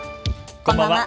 こんばんは。